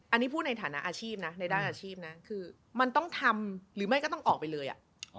อันนี้พูดในฐานะอาชีพนะในด้านอาชีพนะคือมันต้องทำหรือไม่ก็ต้องออกไปเลยอ่ะ